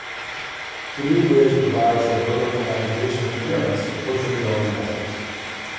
The new bridge provides of vertical navigational clearance for oceangoing vessels.